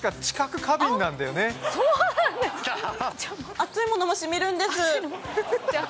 熱いものもしみるんです。